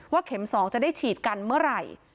เข็ม๒จะได้ฉีดกันเมื่อไหร่